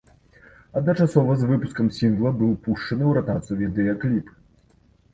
Адначасова з выпускам сінгла быў пушчаны ў ратацыю відэакліп.